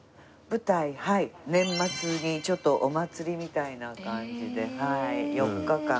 年末にちょっとお祭りみたいな感じで４日間。